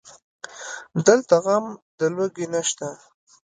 دلته غم د لوږې نشته